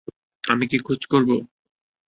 আমি কি খোঁজ করবো?